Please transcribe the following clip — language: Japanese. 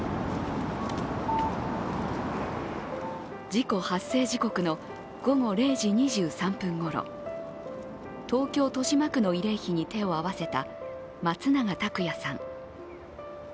事故発生時刻の午後０時２３分ごろ東京・豊島区の慰霊碑に手を合わせた松永拓也さん。